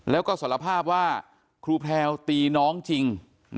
แล้วก็สารภาพว่าครูแพลวตีน้องจริง